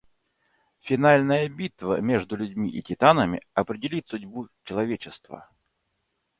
Финальная битва между людьми и титанами определит судьбу человечества.